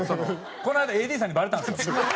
この間ＡＤさんにバレたんですよ。